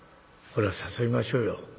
これは誘いましょうよ」。